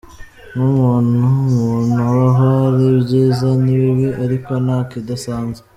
Nk’umuntu, umuntu abaho hari ibyiza n’ibibi ariko nta kidasanzwe.